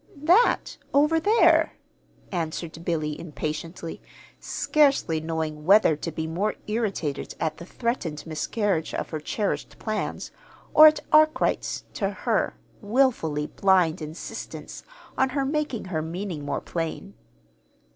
"That over there," answered Billy, impatiently, scarcely knowing whether to be more irritated at the threatened miscarriage of her cherished plans, or at Arkwright's (to her) wilfully blind insistence on her making her meaning more plain.